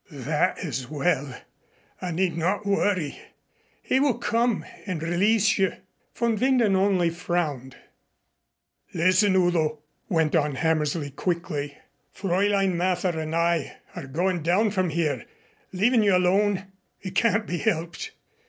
"That is well. I need not worry. He will come and release you." Von Winden only frowned. "Listen, Udo," went on Hammersley quickly, "Fräulein Mather and I are going down from here, leaving you alone. It can't be helped.